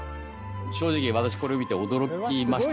正直私これを見て驚きましたですね。